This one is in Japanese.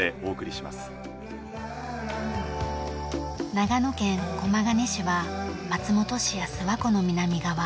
長野県駒ヶ根市は松本市や諏訪湖の南側